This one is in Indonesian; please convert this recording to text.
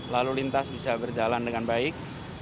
lalu lintas bisa berjalan dengan baik